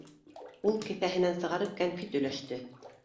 Ул кеҫәһенән сығарып кәнфит өләште.